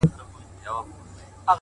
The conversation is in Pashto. هغه بې ږغه او بې شوره ونه!.